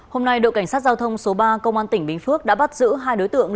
hôm nay đội cảnh sát giao thông số ba công an tỉnh bình phước đã bắt giữ hai đối tượng